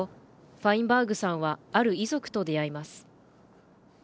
ファインバーグさんはある遺族と出会います。